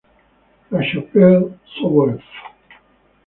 La Chapelle-Souëf